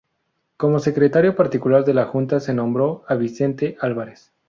Como secretario particular de la Junta se nombró a Vicente Álvarez.